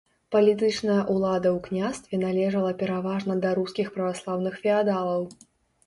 Палітычная ўлада ў княстве належала пераважна да рускіх праваслаўных феадалаў.